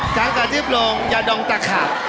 ชั้นกระทิบลงอย่าดองตะขา